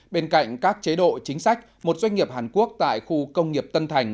bên cạnh các chế độ chính sách một doanh nghiệp hàn quốc tại khu công nghiệp tân thành